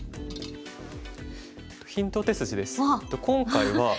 今回は。